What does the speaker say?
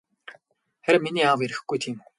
Харин миний аав ирэхгүй тийм үү?